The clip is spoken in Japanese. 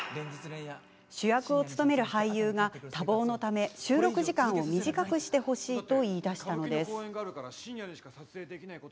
主役を務める俳優が多忙のため収録時間を短くしてほしいと言い出したのです。